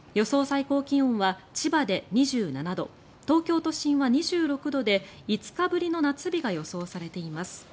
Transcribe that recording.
最高気温は、千葉で２７度東京都心は２６度で５日ぶりの夏日が予想されています。